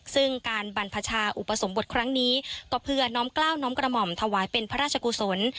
ซึ่งการบรรพชาอุปสมบทครั้งนี้ก็เพื่อน้อมกล้าวน้อมกระหม่อมถวายเป็นพระราชกุศล